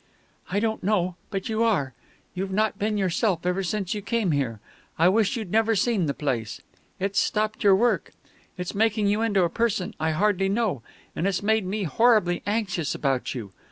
"I don't know, but you are. You've not been yourself ever since you came here. I wish you'd never seen the place. It's stopped your work, it's making you into a person I hardly know, and it's made me horribly anxious about you....